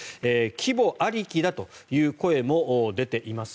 規模ありきだという声も出ています。